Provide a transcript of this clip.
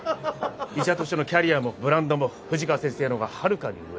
医者としてのキャリアもブランドも富士川先生のほうがはるかに上。